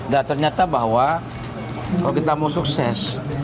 dan ternyata bahwa kalau kita mau sukses